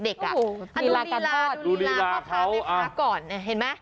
ดูรีลาเข้ากันนะคะก่อนเนี่ยเห็นไหม